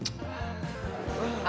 tuh enggak apa apa